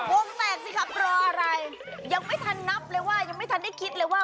วงแตกสิครับรออะไรยังไม่ทันนับเลยว่ายังไม่ทันได้คิดเลยว่า